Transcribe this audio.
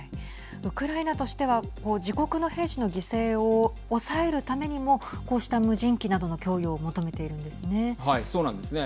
ウクライナとしては自国の兵士の犠牲を抑えるためにもこうした無人機などの供与を求めているんですね。